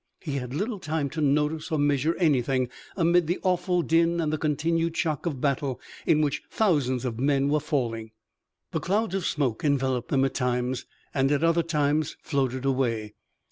He had little time to notice or measure anything amid the awful din and the continued shock of battle in which thousands of men were falling. The clouds of smoke enveloped them at times, and at other times floated away.